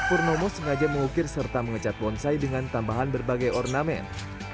purnomo sengaja mengukir serta mengecat bonsai dengan tambahan berbagai ornamen